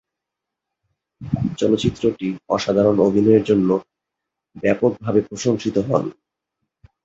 চলচ্চিত্রটি অসাধারণ অভিনয়ের জন্য ব্যাপকভাবে প্রশংসিত হন।